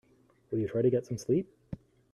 Will you try to get some sleep?